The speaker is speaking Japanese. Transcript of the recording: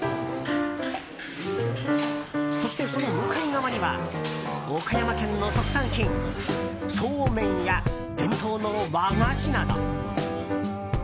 そして、その向かい側には岡山県の特産品そうめんや伝統の和菓子など。